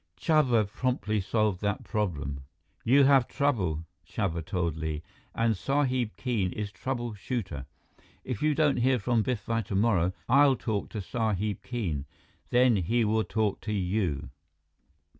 Chuba promptly solved that problem. "You have trouble," Chuba told Li, "and Sahib Keene is trouble shooter. If you don't hear from Biff by tomorrow, I'll talk to Sahib Keene. Then he will talk to you."